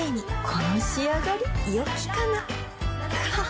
この仕上がりよきかなははっ